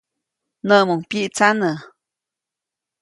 Näʼmuŋ pyiʼtsanä.